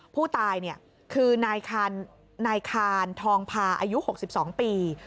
ผู้ตายคือนายคานทองพาอายุ๖๒ปี